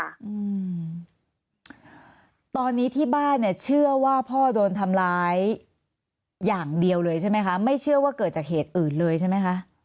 อืมตอนนี้ที่บ้านเนี่ยเชื่อว่าพ่อโดนทำร้ายอย่างเดียวเลยใช่ไหมคะไม่เชื่อว่าเกิดจากเหตุอื่นเลยใช่ไหมคะ